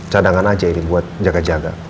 cadangan aja ini buat jaga jaga